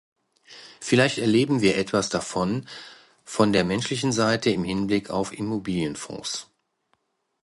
Vielleicht erleben wir etwas davon von der menschlichen Seite im Hinblick auf Immobilienfonds.